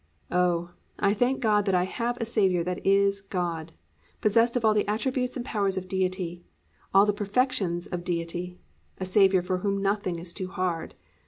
Oh, I thank God that I have a Saviour that is God, possessed of all the attributes and powers of Deity, all the perfections of Deity, a Saviour for whom nothing is too hard.